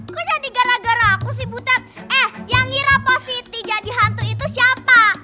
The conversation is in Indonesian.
kok jadi gara gara aku sih butet eh yang ngira positif jadi hantu itu siapa